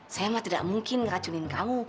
saya mah tidak mungkin ngeracunin kamu